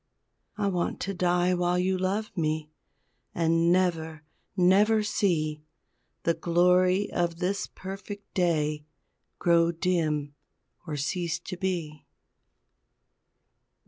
I want to die while you love me And never, never see The glory of this perfect day Grow dim or cease to be.